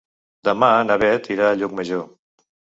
Demà na Bet irà a Llucmajor.